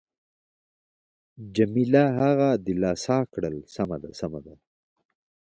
جميله هغه دلاسا کړل: سمه ده، سمه ده.